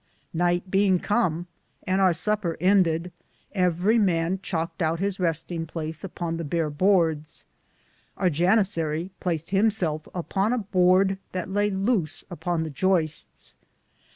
Nyghte beinge come, and our supper ended, everie man chalked out his ristinge place upon the bare hordes ; our jenisarie placed him selfe upon a borde that laye louse upon the joistes.